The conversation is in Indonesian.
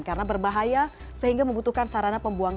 karena berbahaya sehingga membutuhkan sarana pembuangan